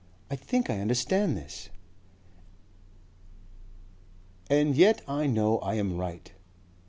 "I think I understand this." "And yet I know I am right."